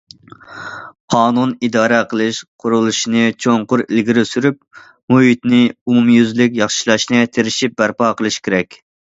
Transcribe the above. قانۇن ئىدارە قىلىش قۇرۇلۇشىنى چوڭقۇر ئىلگىرى سۈرۈپ، مۇھىتنى ئومۇميۈزلۈك ياخشىلاشنى تىرىشىپ بەرپا قىلىش كېرەك.